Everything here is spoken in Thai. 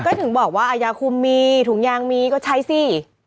ก็ถึงบอกว่าอายาคุมมีถุงยางมีก็ใช้สิ